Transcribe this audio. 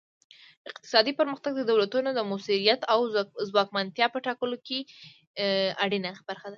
اقتصادي پرمختګ د دولتونو د موثریت او ځواکمنتیا په ټاکلو کې اړینه برخه ده